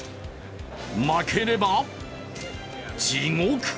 負ければ地獄。